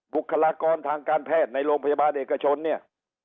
บุคลากรทางการแพทย์ในโรงพยาบาลเอกชนเนี่ย